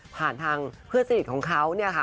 ผ่านทางเพื่อนสนิทของเขาเนี่ยค่ะ